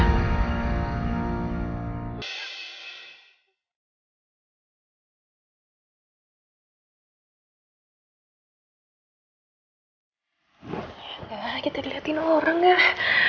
nggak kita dilihatin orang dah